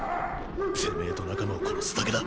てめぇと仲間を殺すだけだ。